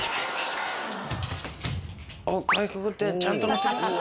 おっかいくぐってちゃんと持ってきました。